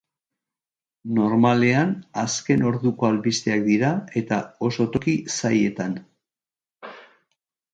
Normalean azken orduko albisteak dira eta oso toki zaietan.